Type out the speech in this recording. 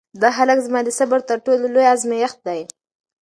دغه هلک زما د صبر تر ټولو لوی ازمېښت دی.